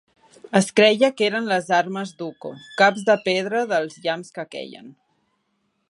Es creia que eren les armes d'Ukko, caps de pedra dels llamps que queien.